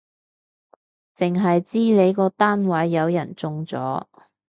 剩係知你個單位有人中咗